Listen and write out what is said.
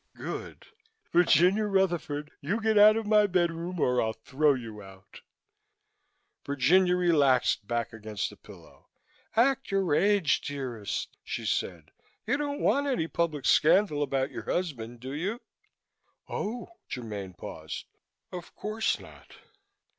"Good! Virginia Rutherford, you get out of my bedroom or I'll throw you out." Virginia relaxed back against the pillow. "Act your age, dearest," she said. "You don't want any public scandal about your husband, do you?" "Oh!" Germaine paused. "Of course not!"